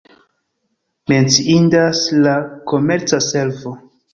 Menciindas la komerca servo.